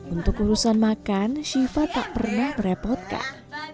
untuk urusan makan shiva tak pernah merepotkan